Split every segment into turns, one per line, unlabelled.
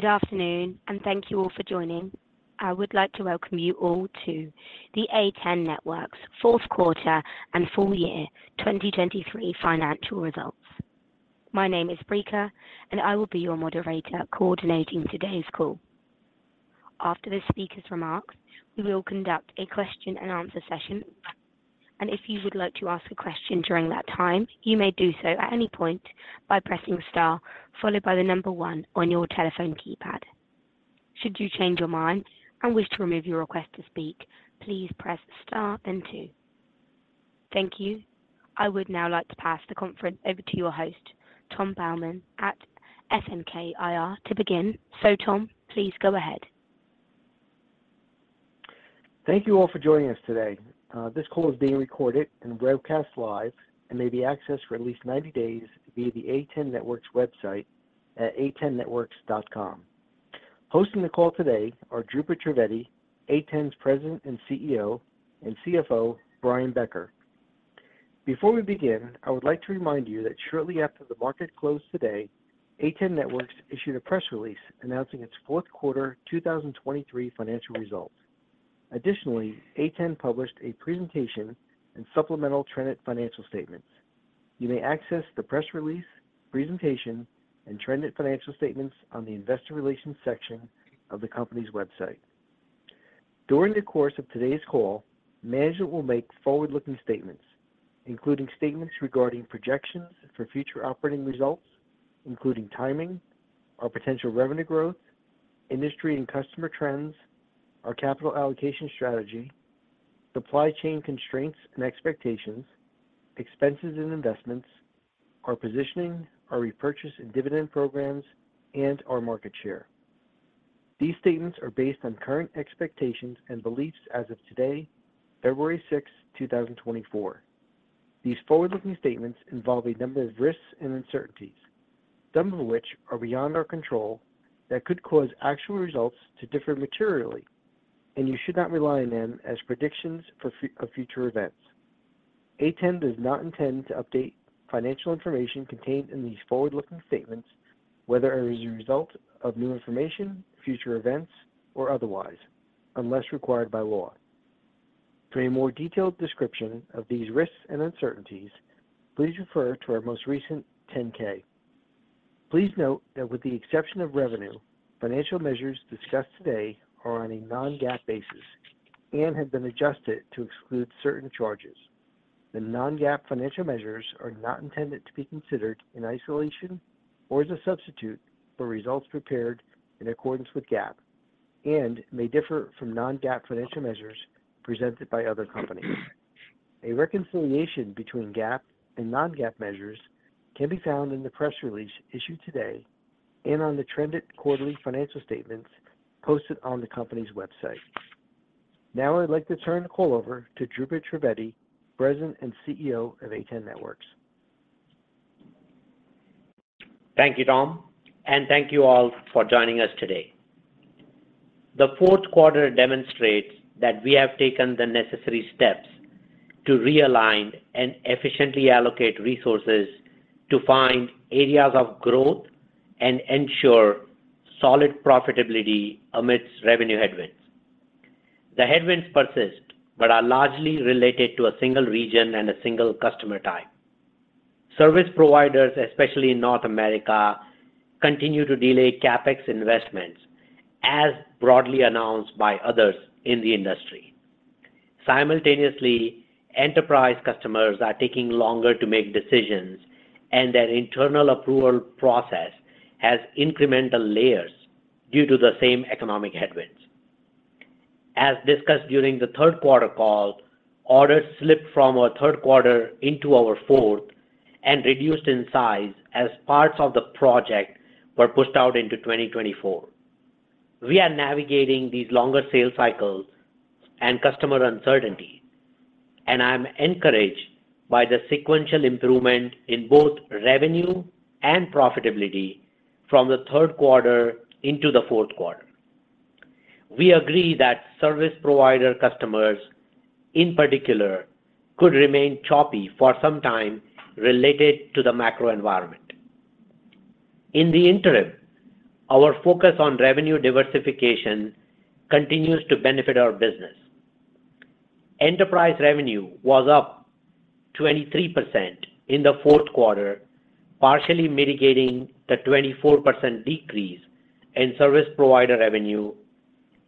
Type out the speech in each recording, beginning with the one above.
Good afternoon, and thank you all for joining. I would like to welcome you all to the A10 Networks Q4 and full year 2023 financial results. My name is Brika, and I will be your moderator coordinating today's call. After the speaker's remarks, we will conduct a question and answer session, and if you would like to ask a question during that time, you may do so at any point by pressing star followed by the number one on your telephone keypad. Should you change your mind and wish to remove your request to speak, please press star and two. Thank you. I would now like to pass the conference over to your host, Tom Baumann at FNK IR, to begin. So, Tom, please go ahead.
Thank you all for joining us today. This call is being recorded and broadcast live and may be accessed for at least 90 days via the A10 Networks website at a10networks.com. Hosting the call today are Dhrupad Trivedi, A10's President and CEO, and CFO, Brian Becker. Before we begin, I would like to remind you that shortly after the market closed today, A10 Networks issued a press release announcing its Q4, 2023 financial results. Additionally, A10 published a presentation and supplemental trended financial statements. You may access the press release, presentation, and trended financial statements on the investor relations section of the company's website. During the course of today's call, management will make forward-looking statements, including statements regarding projections for future operating results, including timing, our potential revenue growth, industry and customer trends, our capital allocation strategy, supply chain constraints and expectations, expenses and investments, our positioning, our repurchase and dividend programs, and our market share. These statements are based on current expectations and beliefs as of today, February 6, 2024. These forward-looking statements involve a number of risks and uncertainties. Some of which are beyond our control, that could cause actual results to differ materially, and you should not rely on them as predictions of future events. A10 does not intend to update financial information contained in these forward-looking statements, whether as a result of new information, future events, or otherwise, unless required by law. For a more detailed description of these risks and uncertainties, please refer to our most recent 10-K. Please note that with the exception of revenue, financial measures discussed today are on a non-GAAP basis and have been adjusted to exclude certain charges. The non-GAAP financial measures are not intended to be considered in isolation or as a substitute for results prepared in accordance with GAAP and may differ from non-GAAP financial measures presented by other companies. A reconciliation between GAAP and non-GAAP measures can be found in the press release issued today and on the trended quarterly financial statements posted on the company's website. Now, I'd like to turn the call over to Dhrupad Trivedi, President and CEO of A10 Networks.
Thank you, Tom, and thank you all for joining us today. The Q4 demonstrates that we have taken the necessary steps to realign and efficiently allocate resources to find areas of growth and ensure solid profitability amidst revenue headwinds. The headwinds persist but are largely related to a single region and a single customer type. Service providers, especially in North America, continue to delay CapEx investments, as broadly announced by others in the industry. Simultaneously, Enterprise customers are taking longer to make decisions, and their internal approval process has incremental layers due to the same economic headwinds. As discussed during the Q3 call, orders slipped from our Q3 into our Q4 and reduced in size as parts of the project were pushed out into 2024. We are navigating these longer sales cycles and customer uncertainty. And I'm encouraged by the sequential improvement in both revenue and profitability from the Q3 into the Q4. We agree that service provider customers, in particular, could remain choppy for some time related to the macro environment. In the interim, our focus on revenue diversification continues to benefit our business. Enterprise revenue was up 23% in the Q4, partially mitigating the 24% decrease in service provider revenue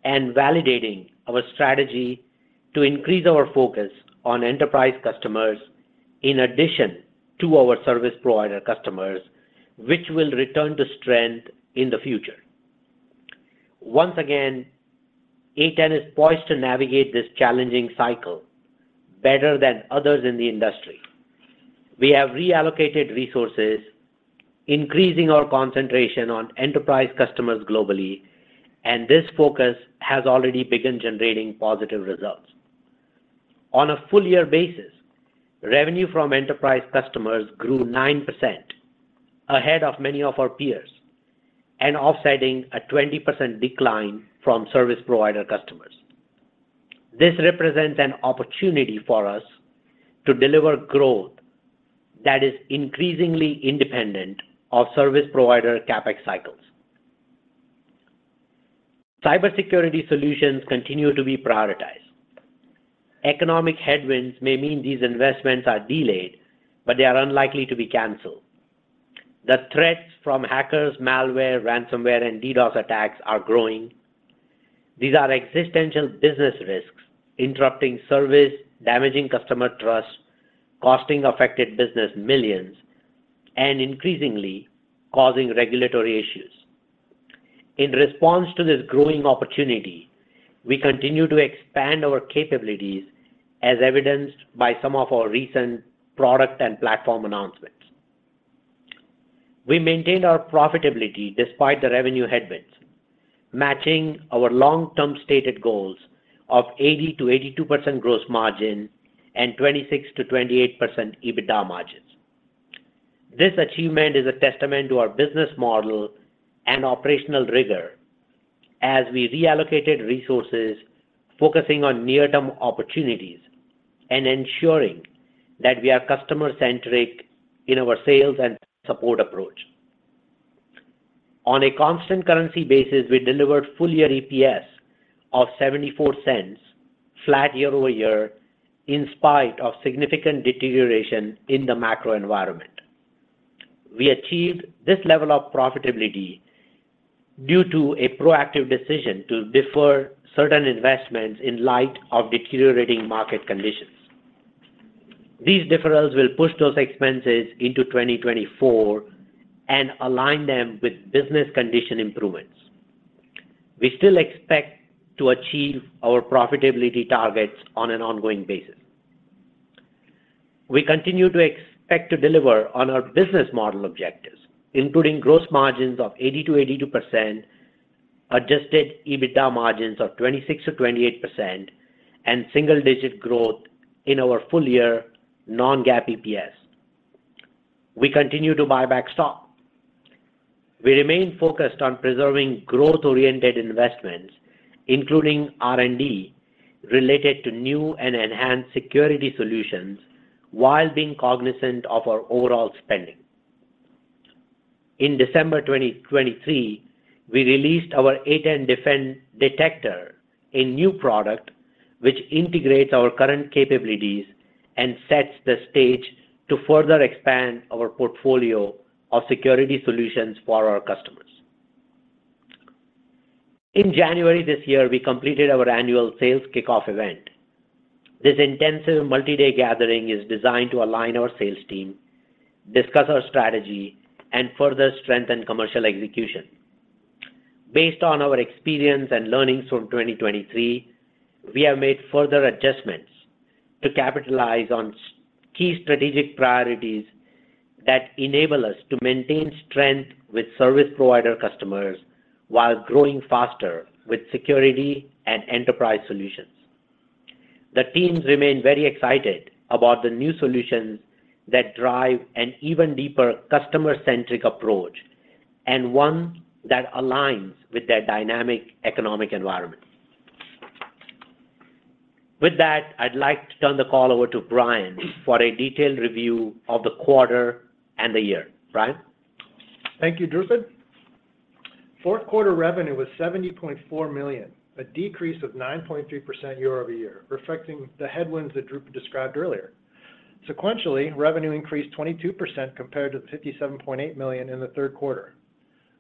and validating our strategy to increase our focus on Enterprise customers in addition to our service provider customers, which will return to strength in the future. Once again, A10 is poised to navigate this challenging cycle better than others in the industry. We have reallocated resources, increasing our concentration on Enterprise customers globally, and this focus has already begun generating positive results. On a full year basis, revenue from Enterprise customers grew 9%, ahead of many of our peers, and offsetting a 20% decline from service provider customers. This represents an opportunity for us to deliver growth that is increasingly independent of service provider CapEx cycles. Cybersecurity solutions continue to be prioritized. Economic headwinds may mean these investments are delayed, but they are unlikely to be canceled. The threats from hackers, malware, ransomware, and DDoS attacks are growing. These are existential business risks, interrupting service, damaging customer trust, costing affected business millions, and increasingly causing regulatory issues. In response to this growing opportunity, we continue to expand our capabilities, as evidenced by some of our recent product and platform announcements. We maintained our profitability despite the revenue headwinds, matching our long-term stated goals of 80%-82% gross margin and 26%-28% EBITDA margins. This achievement is a testament to our business model and operational rigor as we reallocated resources, focusing on near-term opportunities and ensuring that we are customer-centric in our sales and support approach. On a constant currency basis, we delivered full-year EPS of $0.74, flat year-over-year, in spite of significant deterioration in the macro environment. We achieved this level of profitability due to a proactive decision to defer certain investments in light of deteriorating market conditions. These deferrals will push those expenses into 2024 and align them with business condition improvements. We still expect to achieve our profitability targets on an ongoing basis. We continue to expect to deliver on our business model objectives, including gross margins of 80%-82%, adjusted EBITDA margins of 26%-28%, and single-digit growth in our full-year non-GAAP EPS. We continue to buyback stock. We remain focused on preserving growth-oriented investments, including R&D, related to new and enhanced security solutions, while being cognizant of our overall spending. In December 2023, we released our A10 Defend Detector, a new product which integrates our current capabilities and sets the stage to further expand our portfolio of security solutions for our customers. In January this year, we completed our annual sales kickoff event. This intensive multi-day gathering is designed to align our sales team, discuss our strategy, and further strengthen commercial execution. Based on our experience and learnings from 2023, we have made further adjustments to capitalize on key strategic priorities that enable us to maintain strength with service provider customers while growing faster with security and enterprise solutions. The teams remain very excited about the new solutions that drive an even deeper customer-centric approach and one that aligns with their dynamic economic environment. With that, I'd like to turn the call over to Brian for a detailed review of the quarter and the year. Brian?
Thank you, Dhrupad. Q4 revenue was $70.4 million, a decrease of 9.3% year-over-year, reflecting the headwinds that Dhrupad described earlier. Sequentially, revenue increased 22% compared to the $57.8 million in the Q3.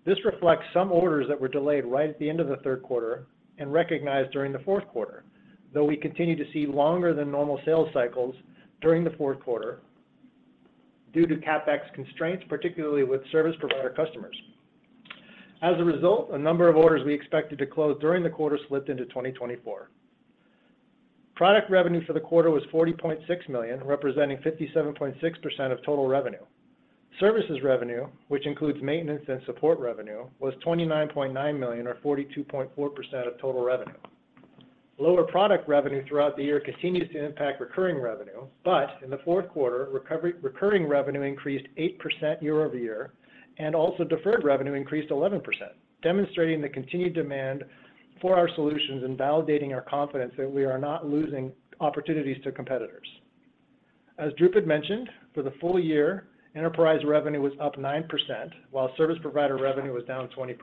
This reflects some orders that were delayed right at the end of the Q3 and recognized during the Q4, though we continued to see longer than normal sales cycles during the Q4 due to CapEx constraints, particularly with service provider customers. As a result, a number of orders we expected to close during the quarter slipped into 2024. Product revenue for the quarter was $40.6 million, representing 57.6% of total revenue. Services revenue, which includes maintenance and support revenue, was $29.9 million, or 42.4% of total revenue. Lower product revenue throughout the year continues to impact recurring revenue, but in the Q4, recurring revenue increased 8% year-over-year, and also deferred revenue increased 11%, demonstrating the continued demand for our solutions and validating our confidence that we are not losing opportunities to competitors. As Dhrupad mentioned, for the full year, enterprise revenue was up 9%, while service provider revenue was down 20%.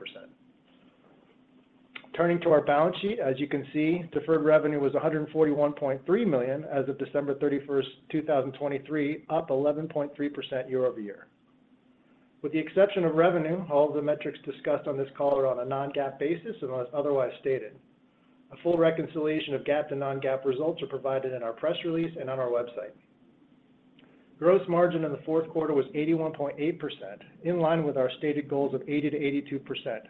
Turning to our balance sheet, as you can see, deferred revenue was $141.3 million as of December 31, 2023, up 11.3% year-over-year. With the exception of revenue, all of the metrics discussed on this call are on a non-GAAP basis, unless otherwise stated. A full reconciliation of GAAP to non-GAAP results are provided in our press release and on our website. Gross margin in the Q4 was 81.8%, in line with our stated goals of 80%-82%,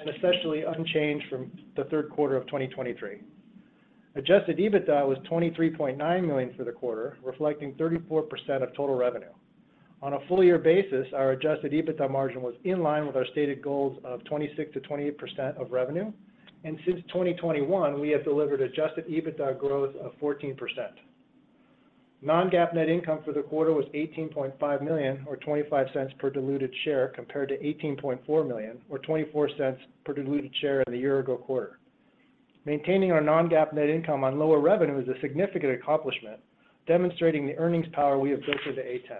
and essentially unchanged from the Q3 of 2023. Adjusted EBITDA was $23.9 million for the quarter, reflecting 34% of total revenue. On a full year basis, our adjusted EBITDA margin was in line with our stated goals of 26%-28% of revenue, and since 2021, we have delivered adjusted EBITDA growth of 14%. Non-GAAP net income for the quarter was $18.5 million, or $0.25 per diluted share, compared to $18.4 million, or $0.24 per diluted share in the year ago quarter. Maintaining our non-GAAP net income on lower revenue is a significant accomplishment, demonstrating the earnings power we have built with the A10.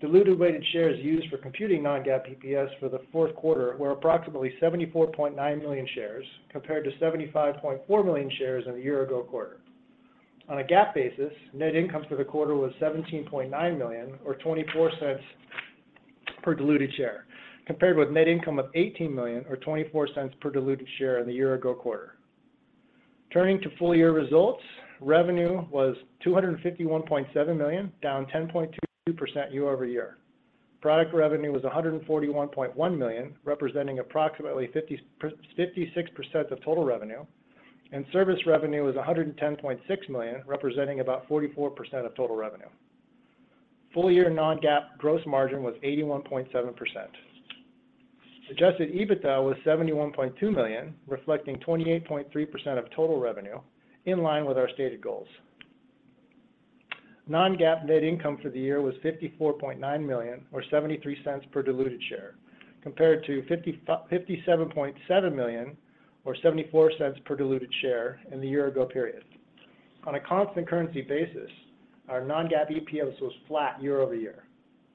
Diluted weighted shares used for computing non-GAAP EPS for the Q4 were approximately 74.9 million shares, compared to 75.4 million shares in the year-ago quarter. On a GAAP basis, net income for the quarter was $17.9 million, or $0.24 per diluted share, compared with net income of $18 million or $0.24 per diluted share in the year-ago quarter. Turning to full year results, revenue was $251.7 million, down 10.22% year-over-year. Product revenue was $141.1 million, representing approximately 56% of total revenue, and service revenue was $110.6 million, representing about 44% of total revenue. Full year non-GAAP gross margin was 81.7%. Adjusted EBITDA was $71.2 million, reflecting 28.3% of total revenue, in line with our stated goals. Non-GAAP net income for the year was $54.9 million, or $0.73 per diluted share, compared to $57.7 million, or $0.74 per diluted share in the year ago period. On a constant currency basis, our non-GAAP EPS was flat year over year.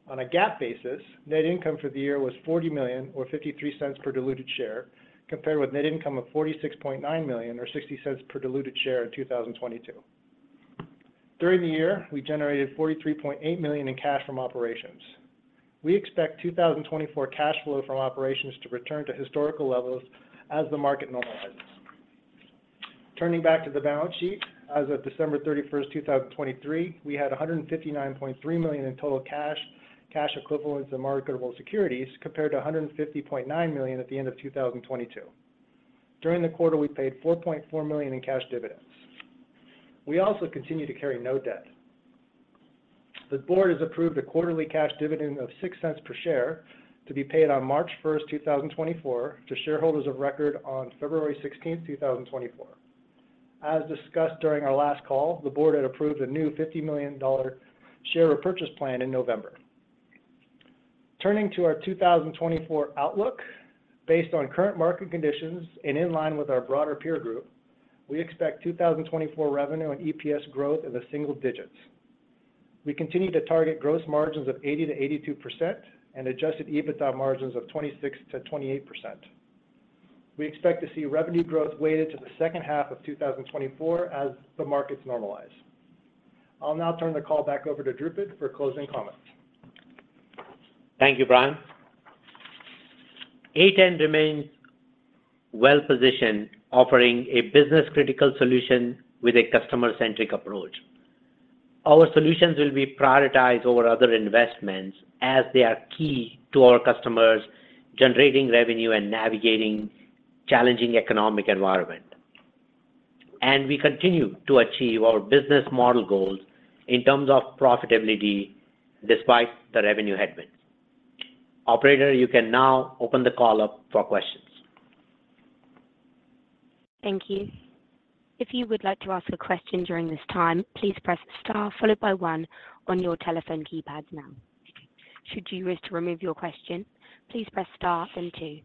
On a GAAP basis, net income for the year was $40 million, or $0.53 per diluted share, compared with net income of $46.9 million, or $0.60 per diluted share in 2022. During the year, we generated $43.8 million in cash from operations. We expect 2024 cash flow from operations to return to historical levels as the market normalizes. Turning back to the balance sheet, as of December 31, 2023, we had $159.3 million in total cash, cash equivalents, and marketable securities, compared to $150.9 million at the end of 2022. During the quarter, we paid $4.4 million in cash dividends. We also continue to carry no debt. The board has approved a quarterly cash dividend of $0.06 per share to be paid on March 1, 2024, to shareholders of record on February 16, 2024. As discussed during our last call, the board had approved a new $50 million share repurchase plan in November. Turning to our 2024 outlook, based on current market conditions and in line with our broader peer group, we expect 2024 revenue and EPS growth in the single digits. We continue to target gross margins of 80%-82% and adjusted EBITDA margins of 26%-28%. We expect to see revenue growth weighted to the second half of 2024 as the markets normalize. I'll now turn the call back over to Dhrupad for closing comments.
Thank you, Brian. ATEN remains well-positioned, offering a business-critical solution with a customer-centric approach. Our solutions will be prioritized over other investments as they are key to our customers generating revenue and navigating challenging economic environment. We continue to achieve our business model goals in terms of profitability despite the revenue headwinds. Operator, you can now open the call up for questions.
Thank you. If you would like to ask a question during this time, please press star followed by one on your telephone keypad now. Should you wish to remove your question, please press star, then two.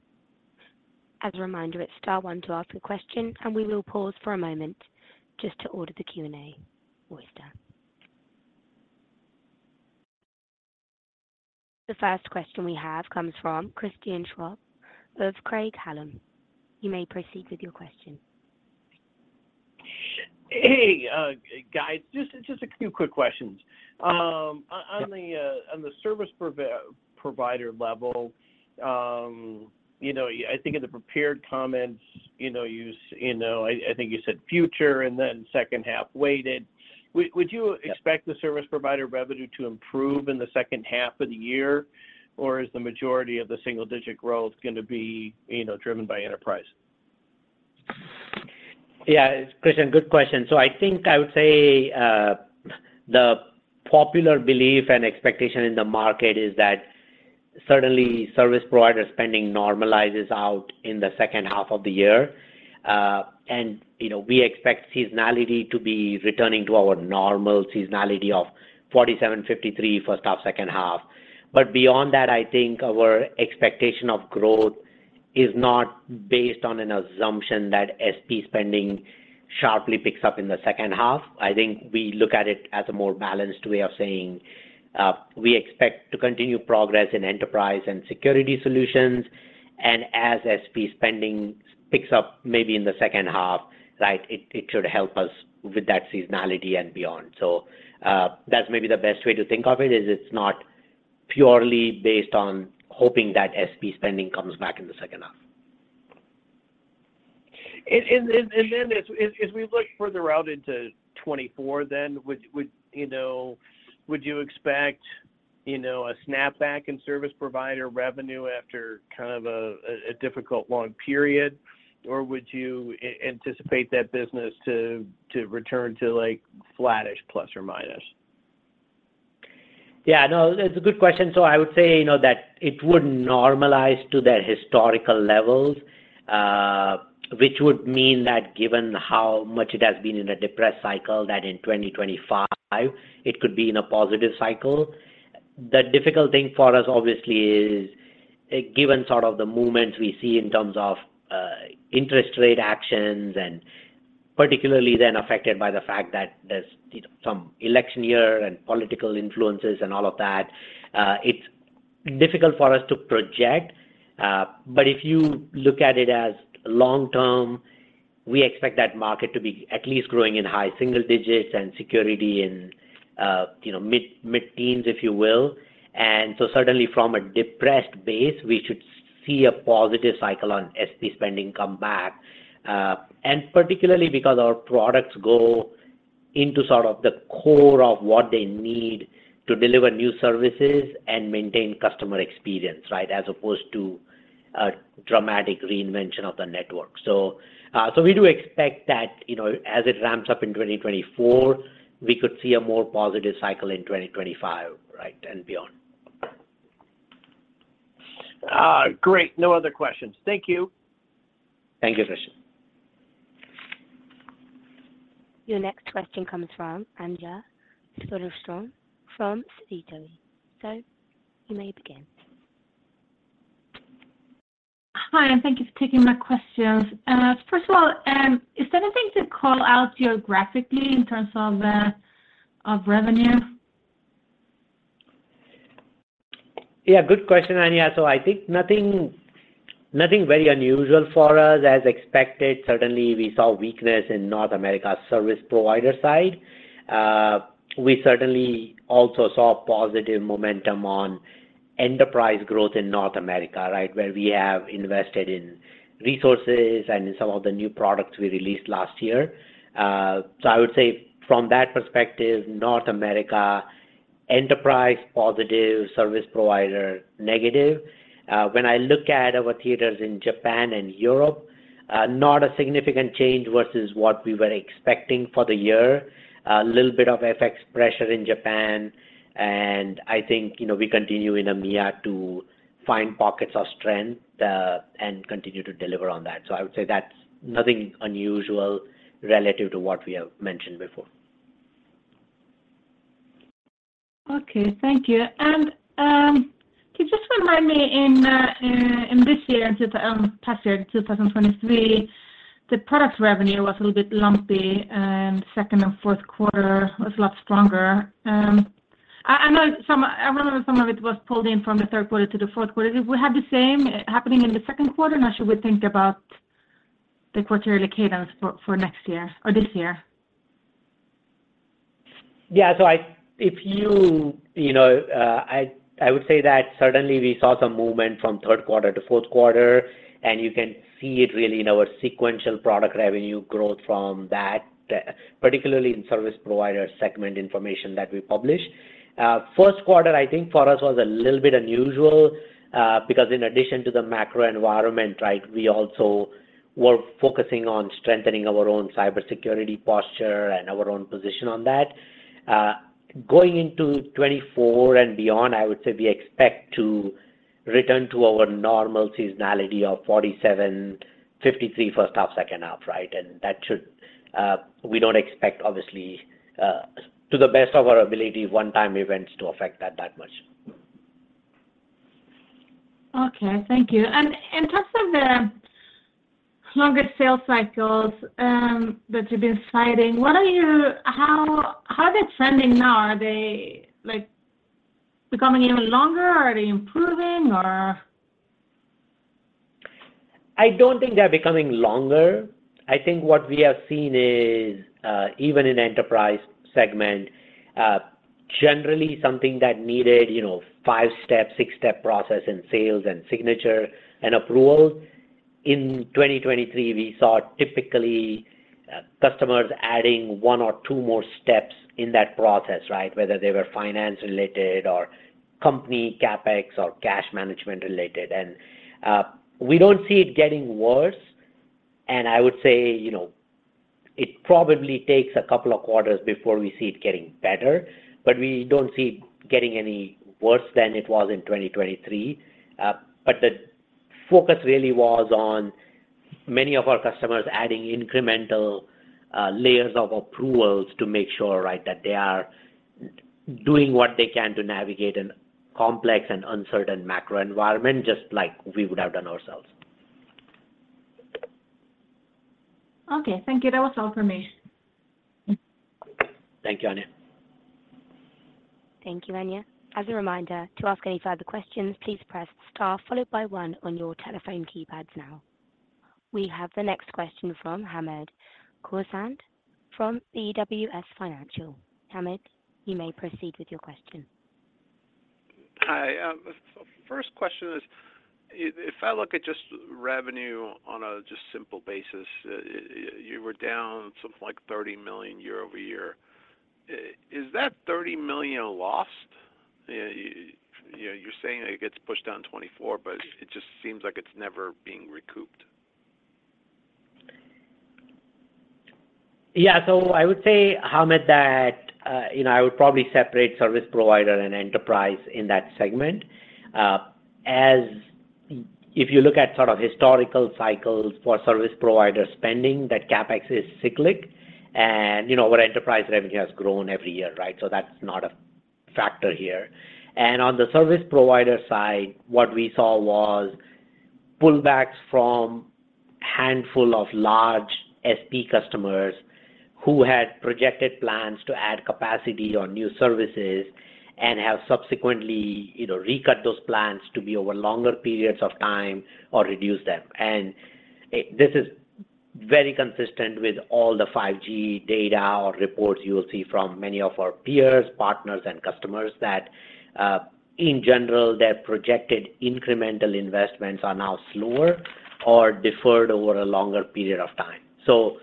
As a reminder, it's star one to ask a question, and we will pause for a moment just to allow the Q&A session. The first question we have comes from Christian Schwab of Craig-Hallum. You may proceed with your question.
Hey, guys, just a few quick questions. On the service provider level, you know, I think in the prepared comments, you know, I think you said future and then second half weighted. Would you expect the service provider revenue to improve in the second half of the year, or is the majority of the single-digit growth gonna be, you know, driven by enterprise?
Yeah, Christian, good question. So I think I would say, the popular belief and expectation in the market is that certainly service provider spending normalizes out in the second half of the year. And, you know, we expect seasonality to be returning to our normal seasonality of 47-53 first half, second half. But beyond that, I think our expectation of growth is not based on an assumption that SP spending sharply picks up in the second half. I think we look at it as a more balanced way of saying, we expect to continue progress in enterprise and security solutions, and as SP spending picks up maybe in the second half, right, it, it should help us with that seasonality and beyond. So, that's maybe the best way to think of it, is it's not purely based on hoping that SP spending comes back in the second half.
Then as we look further out into 2024, would you know, would you expect, you know, a snapback in service provider revenue after kind of a difficult long period? Or would you anticipate that business to return to, like, flattish plus or minus?
Yeah, no, that's a good question. So I would say, you know, that it would normalize to their historical levels, which would mean that given how much it has been in a depressed cycle, that in 2025, it could be in a positive cycle. The difficult thing for us, obviously, is, given sort of the movements we see in terms of interest rate actions, and particularly then affected by the fact that there's, you know, some election year and political influences and all of that, it's difficult for us to project. But if you look at it as long-term, we expect that market to be at least growing in high single digits and security, and, you know, mid-teens, if you will. And so certainly from a depressed base, we should see a positive cycle on SP spending come back. And particularly because our products go into sort of the core of what they need to deliver new services and maintain customer experience, right? As opposed to a dramatic reinvention of the network. So, we do expect that, you know, as it ramps up in 2024, we could see a more positive cycle in 2025, right, and beyond.
Great. No other questions. Thank you.
Thank you, Christian.
Your next question comes from Anja Soderstrom, from Sidoti. So you may begin.
Hi, and thank you for taking my questions. First of all, is there anything to call out geographically in terms of, of revenue?
Yeah, good question, Anja. So I think nothing, nothing very unusual for us. As expected, certainly, we saw weakness in North America service provider side. We certainly also saw positive momentum on enterprise growth in North America, right, where we have invested in resources and in some of the new products we released last year. So I would say from that perspective, North America, enterprise, positive, service provider, negative. When I look at our theaters in Japan and Europe, not a significant change versus what we were expecting for the year. A little bit of FX pressure in Japan, and I think, you know, we continue in EMEA to find pockets of strength, and continue to deliver on that. So I would say that's nothing unusual relative to what we have mentioned before.
Okay. Thank you. And, can you just remind me, last year, 2023, the product revenue was a little bit lumpy, and Q2 and Q4 was a lot stronger. I know some—I remember some of it was pulled in from the Q3 to the Q4. Do we have the same happening in the Q2, and how should we think about the quarterly cadence for next year or this year?
Yeah. So if you, you know, I would say that certainly we saw some movement from Q3 to Q4, and you can see it really in our sequential product revenue growth from that, particularly in service provider segment information that we published. Q1, I think, for us was a little bit unusual, because in addition to the macro environment, right, we also were focusing on strengthening our own cybersecurity posture and our own position on that. Going into 2024 and beyond, I would say we expect to return to our normal seasonality of 47, 53, first half, second half, right? And that should, we don't expect, obviously, to the best of our ability, one-time events to affect that that much.
Okay. Thank you. And in terms of the longer sales cycles that you've been citing, what are you, how are they trending now? Are they, like, becoming even longer, or are they improving, or?
I don't think they're becoming longer. I think what we have seen is, even in enterprise segment, generally something that needed, you know, five-step, six-step process in sales and signature and approval, in 2023, we saw typically, customers adding one or two more steps in that process, right? Whether they were finance-related or company CapEx or cash management-related. We don't see it getting worse. I would say, you know, it probably takes a couple of quarters before we see it getting better, but we don't see it getting any worse than it was in 2023. But the focus really was on many of our customers adding incremental, layers of approvals to make sure, right, that they are doing what they can to navigate a complex and uncertain macro environment, just like we would have done ourselves.
Okay. Thank you. That was all for me.
Thank you, Anja.
Thank you, Anja. As a reminder, to ask any further questions, please press star followed by one on your telephone keypads now. We have the next question from Hamed Khorsand from BWS Financial. Hamed, you may proceed with your question.
Hi. So first question is, if I look at just revenue on a just simple basis, you were down something like $30 million year-over-year. Is that $30 million lost? You know, you're saying it gets pushed down $24 million, but it just seems like it's never being recouped.
Yeah, so I would say, Hamed, that, you know, I would probably separate service provider and enterprise in that segment. As if you look at sort of historical cycles for service provider spending, that CapEx is cyclic and, you know, our enterprise revenue has grown every year, right? So that's not a factor here. And on the service provider side, what we saw was pullbacks from handful of large SP customers who had projected plans to add capacity or new services and have subsequently, you know, recut those plans to be over longer periods of time or reduced them. This is very consistent with all the 5G data or reports you will see from many of our peers, partners, and customers, that in general, their projected incremental investments are now slower or deferred over a longer period of time. So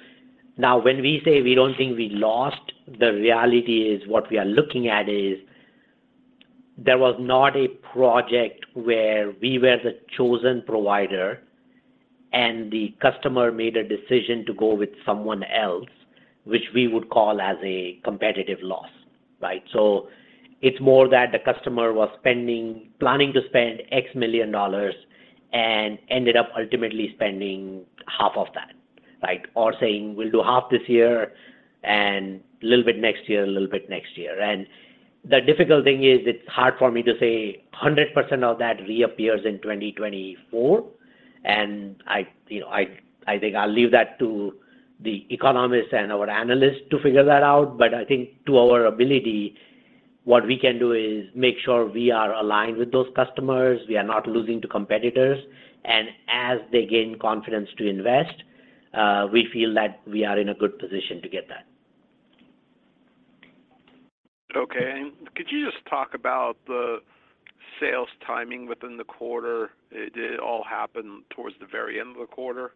now when we say we don't think we lost, the reality is what we are looking at is, there was not a project where we were the chosen provider and the customer made a decision to go with someone else, which we would call as a competitive loss, right? So, it's more that the customer was spending, planning to spend X million dollars and ended up ultimately spending half of that, like, or saying, "We'll do half this year and a little bit next year, a little bit next year." And the difficult thing is, it's hard for me to say 100% of that reappears in 2024. And I, you know, I, I think I'll leave that to the economists and our analysts to figure that out. I think to our ability, what we can do is make sure we are aligned with those customers, we are not losing to competitors, and as they gain confidence to invest, we feel that we are in a good position to get that.
Okay. And could you just talk about the sales timing within the quarter? It all happened towards the very end of the quarter?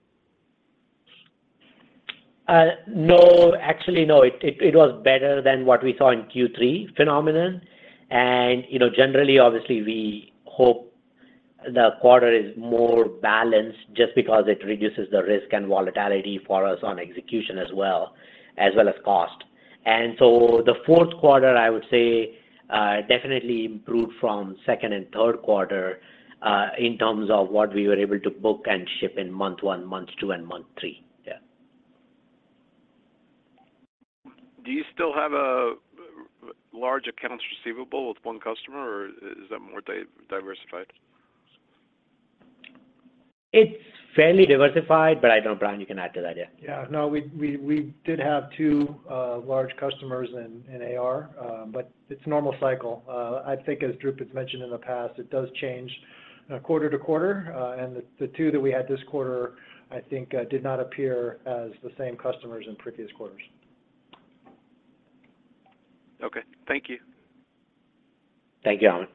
No. Actually, no. It was better than what we saw in Q3 phenomenon. And, you know, generally, obviously, we hope the quarter is more balanced just because it reduces the risk and volatility for us on execution as well as cost. And so the Q4, I would say, definitely improved from Q2 and Q3 in terms of what we were able to book and ship in month one, month two, and month three. Yeah.
Do you still have a large accounts receivable with one customer, or is that more diversified?
It's fairly diversified, but I don't know, Brian, you can add to that idea.
Yeah. No, we did have two large customers in AR, but it's a normal cycle. I think as Dhrupad's mentioned in the past, it does change quarter to quarter. And the two that we had this quarter, I think, did not appear as the same customers in previous quarters.
Okay. Thank you.
Thank you, Hamed.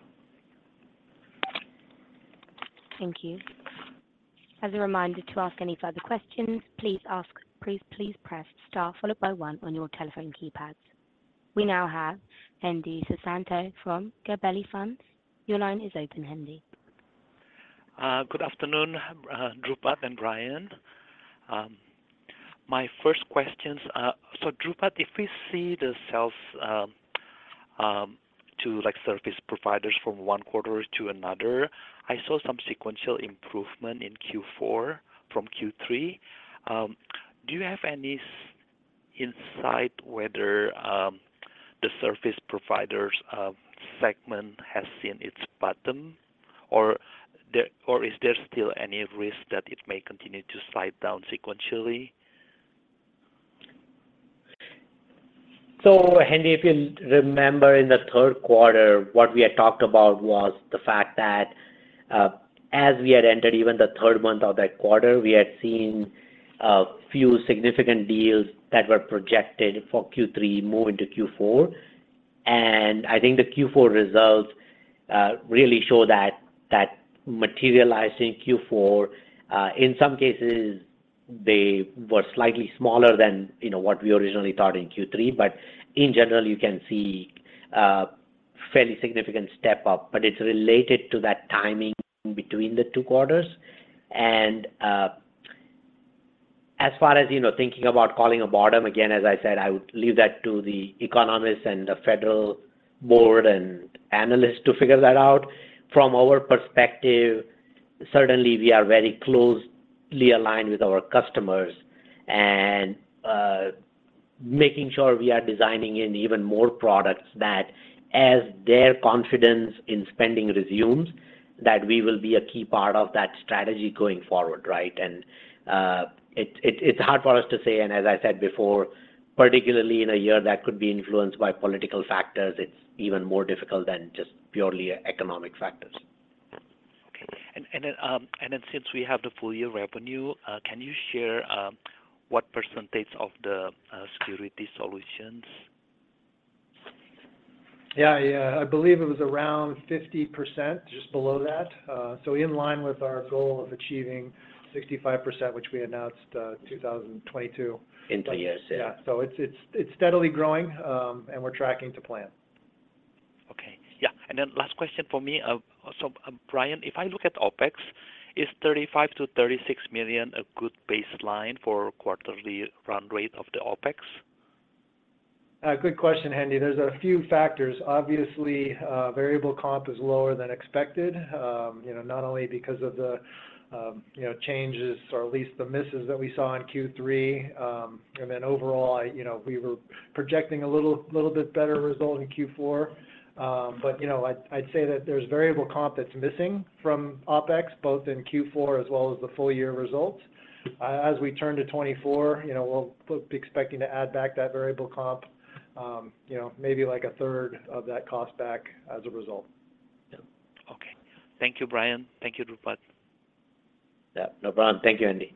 Thank you. As a reminder to ask any further questions, please ask, please, please press star followed by one on your telephone keypads. We now have Hendi Susanto from Gabelli Funds. Your line is open, Hendi.
Good afternoon, Dhrupad and Brian. My first questions are— So, Dhrupad, if we see the sales to, like, service providers from one quarter to another, I saw some sequential improvement in Q4 from Q3. Do you have any insight whether the service provider's segment has seen its bottom, or there— or is there still any risk that it may continue to slide down sequentially?
So, Hendi, if you remember in the Q3, what we had talked about was the fact that, as we had entered even the third month of that quarter, we had seen a few significant deals that were projected for Q3 move into Q4. And I think the Q4 results really show that, that materializing Q4. In some cases, they were slightly smaller than, you know, what we originally thought in Q3, but in general, you can see fairly significant step up. But it's related to that timing between the two quarters. And, as far as, you know, thinking about calling a bottom, again, as I said, I would leave that to the economists and the Federal Board and analysts to figure that out. From our perspective, certainly we are very closely aligned with our customers and, making sure we are designing in even more products that as their confidence in spending resumes, that we will be a key part of that strategy going forward, right? And, it, it's hard for us to say, and as I said before, particularly in a year that could be influenced by political factors, it's even more difficult than just purely economic factors.
Okay. Then since we have the full year revenue, can you share what percentage of the security solutions?
Yeah. Yeah, I believe it was around 50%, just below that. So in line with our goal of achieving 65%, which we announced 2022.
In two years, yeah.
Yeah. So it's steadily growing, and we're tracking to plan.
Okay. Yeah, and then last question for me. So, Brian, if I look at OpEx, is $35 million-$36 million a good baseline for quarterly run rate of the OpEx?
Good question, Hendi. There's a few factors. Obviously, variable comp is lower than expected, you know, not only because of the changes or at least the misses that we saw in Q3. And then overall, I, you know, we were projecting a little, little bit better result in Q4. But, you know, I'd, I'd say that there's variable comp that's missing from OpEx, both in Q4 as well as the full year results. As we turn to 2024, you know, we'll be expecting to add back that variable comp, you know, maybe like a third of that cost back as a result.
Yeah. Okay. Thank you, Brian. Thank you, Dhrupad.
Yeah. No, Brian. Thank you, Hendi.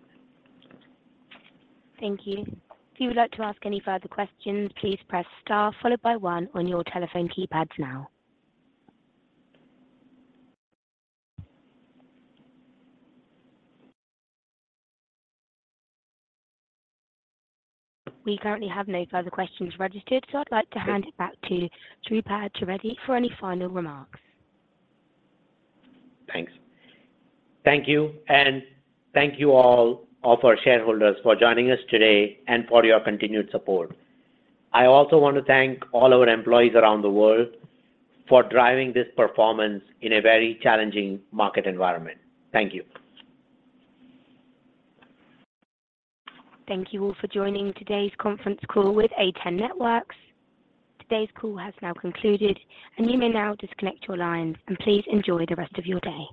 Thank you. If you would like to ask any further questions, please press star followed by one on your telephone keypads now. We currently have no further questions registered, so I'd like to hand it back to Dhrupad Trivedi for any final remarks.
Thanks. Thank you, and thank you all of our shareholders for joining us today and for your continued support. I also want to thank all our employees around the world for driving this performance in a very challenging market environment. Thank you.
Thank you all for joining today's conference call with A10 Networks. Today's call has now concluded, and you may now disconnect your lines, and please enjoy the rest of your day.